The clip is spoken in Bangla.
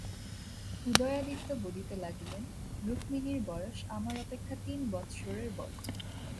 উদয়াদিত্য বলিতে লাগিলেন, রুক্মিণীর বয়স আমার অপেক্ষা তিন বৎসরের বড়ো।